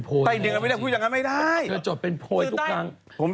บางทีเค้าขายไปละร้อยไงใช่มั้ย